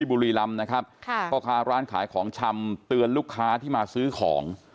บุรีรำนะครับค่ะพ่อค้าร้านขายของชำเตือนลูกค้าที่มาซื้อของ